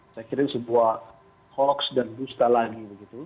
saya kira sebuah hoax dan bustalani